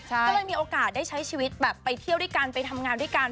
ก็เลยมีโอกาสได้ใช้ชีวิตแบบไปเที่ยวด้วยกันไปทำงานด้วยกัน